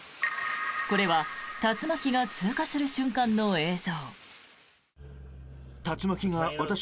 これは竜巻が通過する瞬間の映像。